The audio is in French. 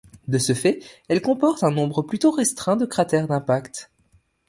De ce fait elle comporte un nombre plutôt restreint de cratères d'impact.